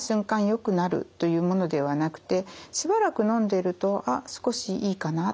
よくなるというものではなくてしばらくのんでいると「少しいいかな」。